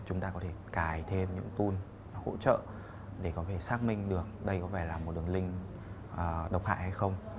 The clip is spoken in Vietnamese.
chúng ta có thể cài thêm những tool hỗ trợ để có thể xác minh được đây có vẻ là một đường link độc hại hay không